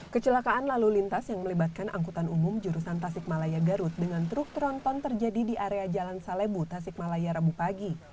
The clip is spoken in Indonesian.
kecelakaan lalu lintas yang melibatkan angkutan umum jurusan tasikmalaya garut dengan truk tronton terjadi di area jalan salebu tasikmalaya rabu pagi